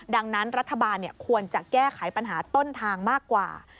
ดังนั้นรัฐบาลควรจะแก้ไขปัญหาต้นทางมากกว่า